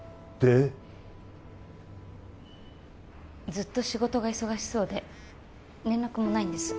ずっと仕事が忙しそうで連絡もないんです